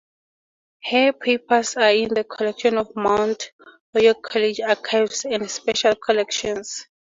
Her papers are in the collection of Mount Holyoke College Archives and Special Collections.